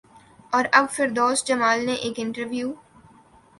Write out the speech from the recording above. اور اب فردوس جمال نے ایک انٹرویو